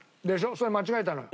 それ間違えたのよ。